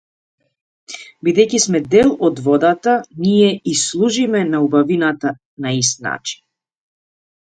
Бидејќи сме дел од водата, ние ѝ служиме на убавината на ист начин.